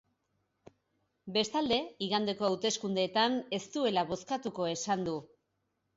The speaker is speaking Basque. Bestalde, igandeko hauteskundeetan ez duela bozkatuko esan du.